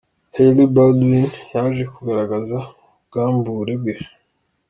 Hailey Baldwin yaje kugaragaza ubwambure bwe.